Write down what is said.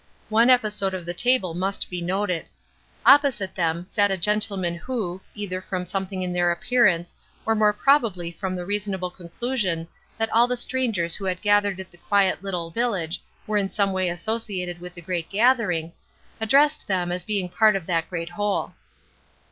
One episode of the table must be noted. Opposite them sat a gentleman who, either from something in their appearance, or more probably from the reasonable conclusion that all the strangers who had gathered at the quiet little village were in some way associated with the great gathering, addressed them as being part of that great whole.